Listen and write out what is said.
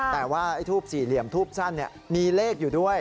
แต่ว่าไอ้ทูบสี่เหลี่ยมทูบสั้นมีเลขอยู่ด้วย